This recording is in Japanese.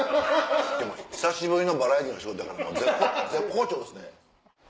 でも久しぶりのバラエティーの仕事やから絶好調ですね。